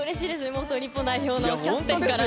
元日本代表のキャプテンから。